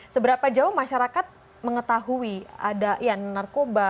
seberapa jauh masyarakat mengetahui ada yang narkoba